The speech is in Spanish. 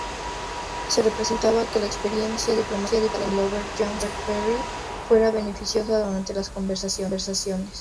Se esperaba que la experiencia diplomática de Love Jones-Parry fuera beneficiosa durante las conversaciones.